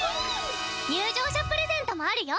入場者プレゼントもあるよ！